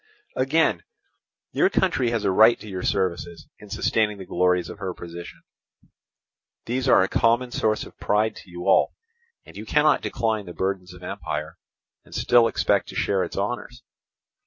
"Again, your country has a right to your services in sustaining the glories of her position. These are a common source of pride to you all, and you cannot decline the burdens of empire and still expect to share its honours.